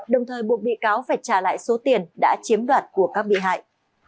đồng thời buộc bị cáo phải trả lại số tiền đã chiếm đoạt của các bị hại